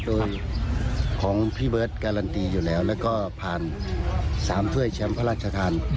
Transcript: โดยของพี่เบิร์ตการันตีอยู่แล้วแล้วก็ผ่าน๓ถ้วยแชมป์พระราชทาน